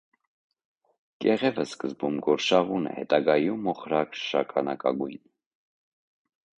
Կեղևը սկզբում գորշավուն է, հետագայում՝ մոխրաշագանակագույն։